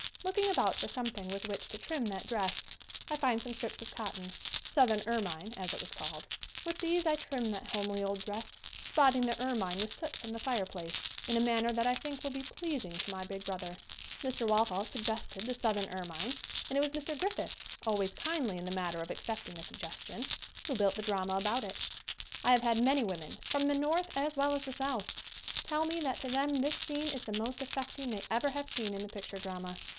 Looking about for something with which to trim that dress I find some strips of cotton "southern ermine," as it was called. With these I trim that homely old dress, spotting the "er mine" with soot from the fireplace, in a man ner that I think will be pleasing to my big brother. Mr. Walthall suggested the "southern er mine" and it was Mr. Griffith, always kindly in the matter of accepting a suggestion, who built the drama about it. I have had many women, from the North as well as the South, tell me that to them this scene is the most af fecting they ever have seen in the picture drama.